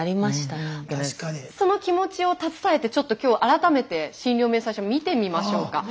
その気持ちを携えてちょっと今日改めて診療明細書見てみましょうか。